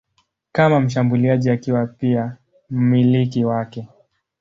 kama mshambuliaji akiwa pia mmiliki wake.